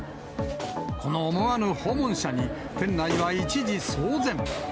この思わぬ訪問者に、店内は一時、騒然。